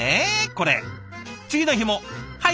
これ次の日もはい